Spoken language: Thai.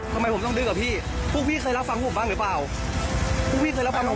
ก็ตามต่อไป